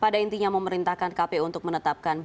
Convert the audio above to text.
pada intinya memerintahkan kpu untuk menetapkan bapak ibu dan ibu